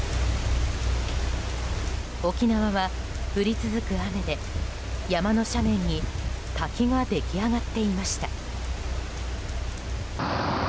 沖縄は降り続く雨で、山の斜面に滝が出来上がっていました。